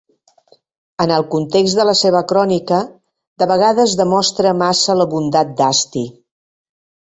En el context de la seva crònica, de vegades demostra massa la bondat d'Asti.